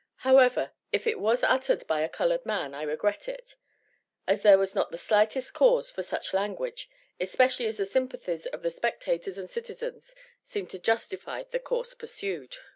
However, if it was uttered by a colored man, I regret it, as there was not the slightest cause for such language, especially as the sympathies of the spectators and citizens seemed to justify the course pursued.